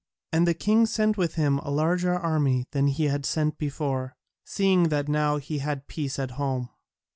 And the king sent with him a larger army than ever he had sent before, seeing that now he had peace at home.